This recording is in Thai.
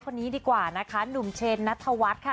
คนนี้ดีกว่านะคะหนุ่มเชนนัทวัฒน์ค่ะ